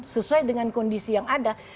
sesuai dengan kondisi yang ada